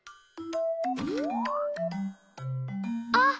あっ！